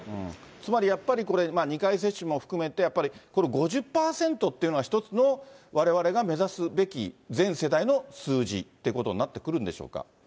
つまりやっぱり、これ、２回接種も含めて、やっぱりこの５０％っていうのが一つのわれわれが目指すべき、全世代の数字っていうことになってくるんでしょうか。